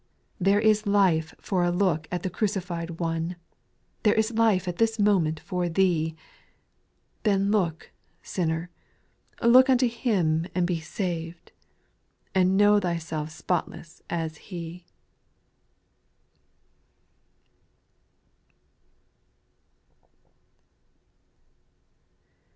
8. There is life for a look at the crucified One, There is life at this moment for thee ; Then look, sinner, look unto Him and be saved. And know thyself spotless as He.